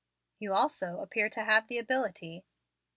"You also appear to have the ability."